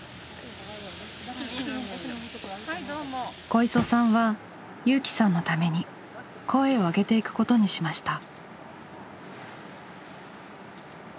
小磯さんは友紀さんのために声を上げていくことにしました。